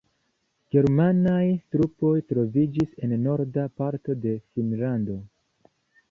Germanaj trupoj troviĝis en norda parto de Finnlando.